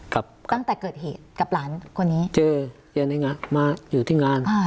ครับตั้งแต่เกิดเหตุกับหลานคนนี้เจออยู่ที่งานอ่า